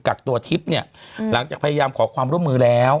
กักตัวทิพย์เนี่ยหลังจากพยายามขอความร่วมมือแล้ว